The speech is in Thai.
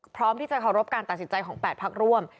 พร้อมที่จะเคารพการตัดสินใจของ๘พักร่วม